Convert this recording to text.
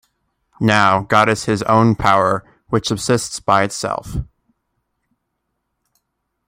Now, God is His own power which subsists by itself.